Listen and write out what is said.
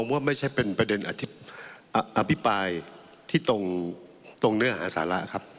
ผมว่าไม่ใช่เป็นประเด็นอธิปรายที่ตรงเนื้อหาสาระครับ